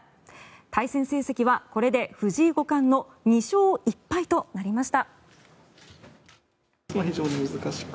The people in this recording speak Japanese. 対戦成績は、これで藤井五冠の２勝１敗となりました。